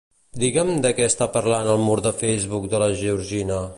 Digue'm de què s'està parlant al mur de Facebook de la Georgina.